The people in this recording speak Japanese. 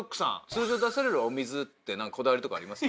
通常出されるお水ってこだわりとかありますか？